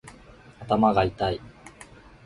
頭がいたい